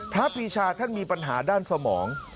พระปีชาท่านมีปัญหาด้านสมอง